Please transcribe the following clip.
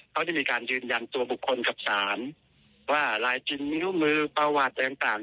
เขาได้มีการยืนยันตัวบุคคลกับศาลว่าลายจริงนิ้วมือประวัติอะไรต่าง